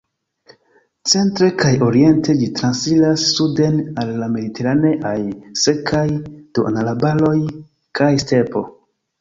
Centre kaj oriente ĝi transiras suden al la mediteraneaj sekaj duonarbaroj kaj stepo.